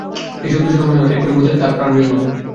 সেই শব্দ শুনে মনে হয়, এক্ষুণি বোধ হয় তার প্রাণবিয়োগ হবে।